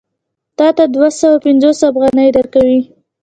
تا ته دوه سوه پنځوس افغانۍ درکوي